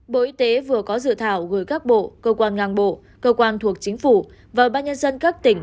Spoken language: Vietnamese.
bộ y tế vừa có dự thảo gửi các bộ cơ quan ngang bộ cơ quan thuộc chính phủ và ba nhân dân các tỉnh